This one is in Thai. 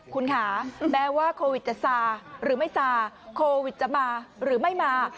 คุณค่ะแม้ว่าโควิดจะซาหรือไม่ซาโควิดจะมาหรือไม่มา